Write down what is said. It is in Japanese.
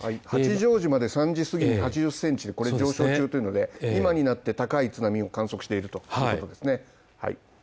八丈島で３時過ぎに８０センチでこれで今になって高い津波を観測しているということですね。